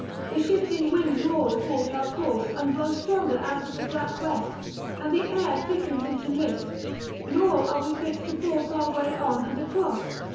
The shifting winds roar athwart our course, and blow stronger out of the black west, and the air thickens into mist: nor are we fit to force our way on and across.